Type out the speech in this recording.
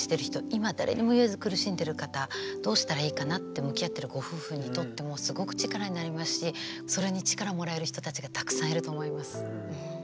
今誰にも言えず苦しんでる方どうしたらいいかなって向き合ってるご夫婦にとってもすごく力になりますしそれに力もらえる人たちがたくさんいると思います。